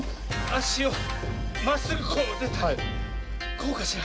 あしをまっすぐこうでこうかしら。